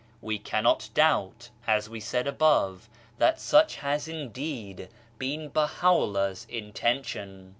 We cannot doubt, as we said above, that such has indeed been BahaVllah's intention.